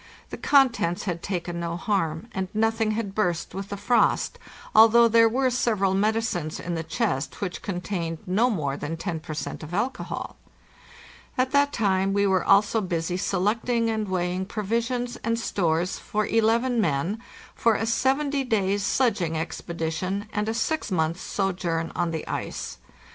The contents had taken no harm, and nothing had burst with the frost, although there were several medicines in the chest which contained no more than 10 per cent. of alcohol. At that time we were also busy selecting and weighing provis ions and stores for eleven men for a seventy days' sledging expedi tion anda six months' sojourn on the ice.